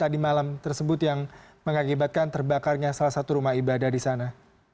tadi malam tersebut yang mengakibatkan terbakarnya salah satu rumah ibadah di sana